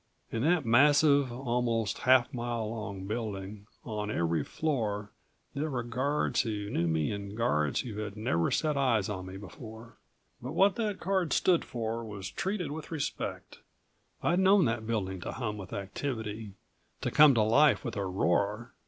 In that massive, almost half mile long building, on every floor, there were guards who knew me and guards who had never set eyes on me before. But what that card stood for was treated with respect. I'd known that building to hum with activity, to come to life with a roar.